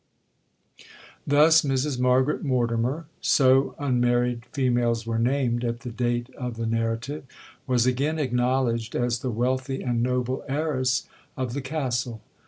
'Thus Mrs Margaret Mortimer (so unmarried females were named at the date of the narrative) was again acknowledged as the wealthy and noble heiress of the Castle.